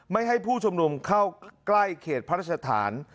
ไม่ให้ผู้ชุมนุมเข้าใกล้เขตพระราชฐาน